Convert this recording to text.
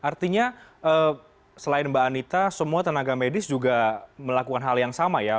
artinya selain mbak anita semua tenaga medis juga melakukan hal yang sama ya